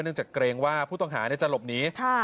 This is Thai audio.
เนื่องจากเกรงว่าผู้ต่างหาจะหลบหนี